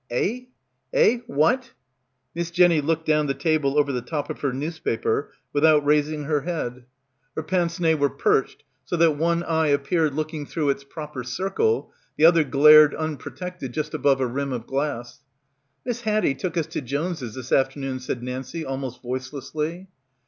"Eh? Eh? What?" Miss Jenny looked down the table over the top of her newspaper without raising her head. — 81 — PILGRIMAGE Her prince nez were perched so that one eye ap peared looking through its proper circle, the other glared unprotected just above a rim of glass. "Miss Haddie took us to Jones's this after noon," said Nancie almost voicelessly.